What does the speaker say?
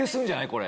これ。